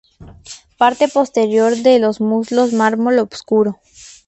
Parte posterior de los muslos mármol obscuro.